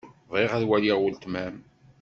Bɣiɣ ad waliɣ weltma-m.